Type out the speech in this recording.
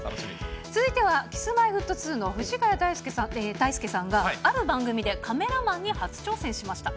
続いてはＫｉｓ−Ｍｙ−Ｆｔ２の藤ヶ谷太輔さんが、ある番組でカカメラマン？